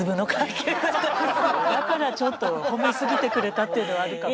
だからちょっと褒め過ぎてくれたというのはあるかも。